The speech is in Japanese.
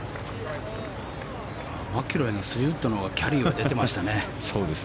マキロイの３ウッドがキャリー出てましたね。